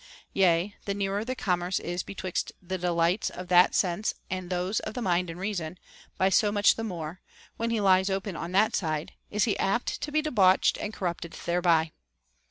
Yea, the nearer the commerce is betwixt HOW A YOUNG MAN OUGHT TO HEAR POEMS. 43 the delights of that sense and those of the mind and reason, by so much the more, when he lies open on that side, is he apt to be debauched and corrupted thereby.